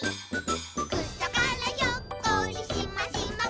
「くさからひょっこりしましまパンツ」